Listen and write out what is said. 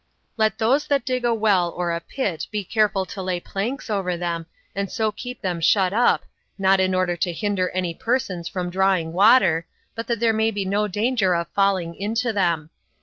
37. Let those that dig a well or a pit be careful to lay planks over them, and so keep them shut up, not in order to hinder any persons from drawing water, but that there may be no danger of falling into them.